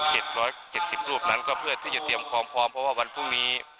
๑๐คนก็เพื่อที่อย่าเตรียมความพร้อมเพราะว่าบันพรุ่งนี้